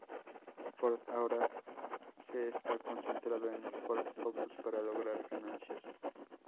Ford ahora se está concentrando en el Ford Focus para lograr ganancias.